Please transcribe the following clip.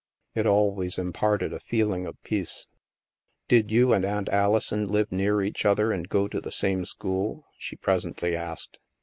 It always imparted a feeling of peace. " Did you and Aunt Alison live near each other and go to the same school?" she presently asked.